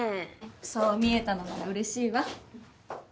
そう見えたのならうれしいわ。